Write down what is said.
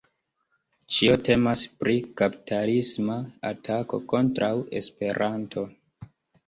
Ĉio temas pri kapitalisma atako kontraŭ Esperanto.